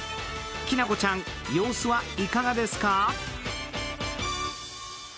きなこちゃん、様子はいかがですか？